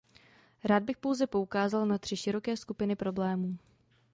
Rád bych pouze poukázal na tři široké skupiny problémů.